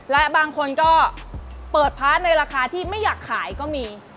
และบางคนก็เปิดพาร์ทในราคาที่ไม่อยากขายก็มี